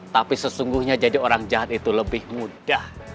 tapi sesungguhnya jadi orang jahat itu lebih mudah